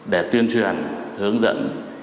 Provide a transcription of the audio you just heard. để tuyên truyền hướng dẫn